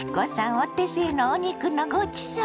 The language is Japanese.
お手製のお肉のごちそう！